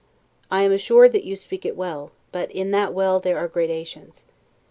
I am assured that you speak it well, but in that well there are gradations.